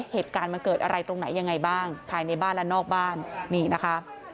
เหตุการณ์มันเกิดอะไรตรงไหนยังไงบ้างภายในบ้านและนอกบ้านนี่นะคะ